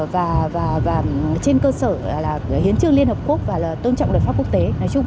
và trên cơ sở hiến trương liên hợp quốc và tôn trọng luật pháp quốc tế